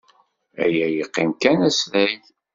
Aya yeqqim kan asrag.